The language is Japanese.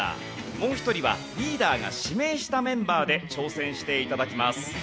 もう１人はリーダーが指名したメンバーで挑戦して頂きます。